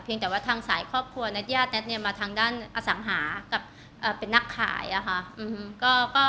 แต่ว่าทางสายครอบครัวแท็ตญาติแท็ตมาทางด้านอสังหากับเป็นนักขายอะค่ะ